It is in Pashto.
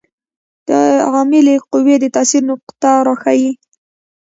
د عاملې قوې د تاثیر نقطه راښيي.